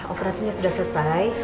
operasinya sudah selesai